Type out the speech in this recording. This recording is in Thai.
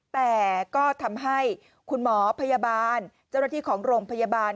แต่ก็ทำให้คุณหมอพยาบาลเจ้าหน้าที่ของโรงพยาบาล